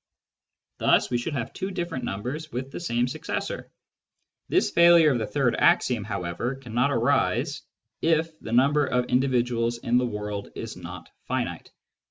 Thus we should have two different numbers with the same successor. This failure of the third axiom cannot arise, however, if the number of indi viduals in the world is not finite.